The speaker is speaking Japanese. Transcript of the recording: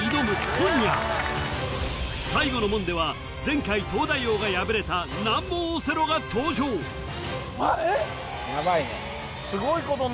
今夜最後の門では前回東大王が敗れた難問オセロが登場すごい